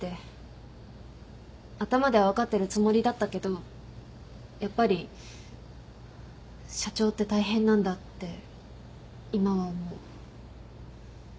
頭では分かってるつもりだったけどやっぱり社長って大変なんだって今は思う。